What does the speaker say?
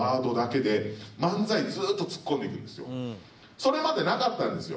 それまでなかったんですよ。